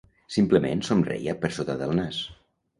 Simplement somreia per sota del nas.